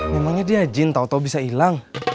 memangnya dia jin tau tau bisa hilang